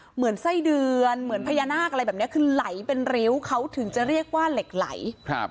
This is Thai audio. เหมือนไส้เดือนเหมือนพญานาคอะไรแบบนี้คือไหลเป็นริ้วเขาถึงจะเรียกว่าเหล็กไหล